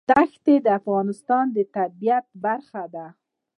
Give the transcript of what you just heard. دښتې د افغانستان د طبیعت برخه ده.